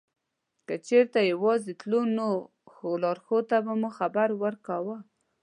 که چېرته یوازې تلو نو لارښود ته به مو خبر ورکاوه.